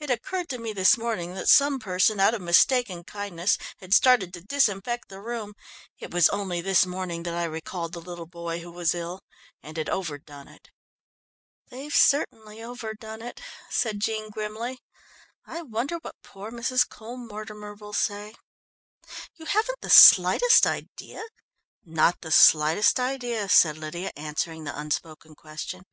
It occurred to me this morning that some person, out of mistaken kindness, had started to disinfect the room it was only this morning that I recalled the little boy who was ill and had overdone it." "They've certainly overdone it," said Jean grimly. "I wonder what poor Mrs. Cole Mortimer will say. You haven't the slightest idea " "Not the slightest idea," said Lydia, answering the unspoken question.